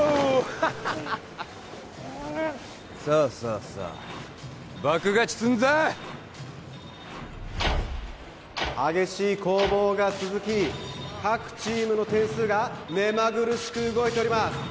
ハハハハさあさあさあ爆勝ちすんぞ激しい攻防が続き各チームの点数が目まぐるしく動いております